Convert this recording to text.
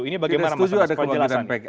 ini bagaimana mas abbas kebangkitan pki